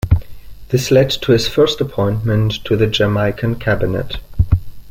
This led to his first appointment to the Jamaican Cabinet.